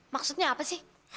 maksudnya apa sih